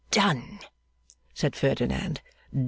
'Done!' said Ferdinand.